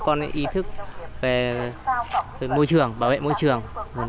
con ý thức về môi trường bảo vệ môi trường